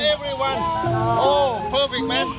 เต็ม